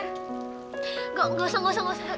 gak usah gak usah gak usah